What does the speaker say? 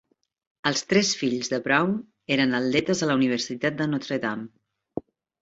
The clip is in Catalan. Els tres fills de Brown eren atletes a la Universitat de Notre Dame.